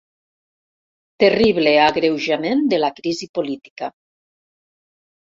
Terrible agreujament de la crisi política.